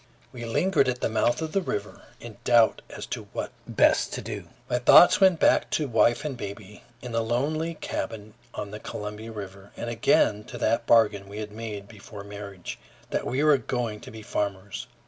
We lingered at the mouth of the river in doubt as to what best to do. My thoughts went back to wife and baby in the lonely cabin on the Columbia River, and again to that bargain we had made before marriage, that we were going to be farmers.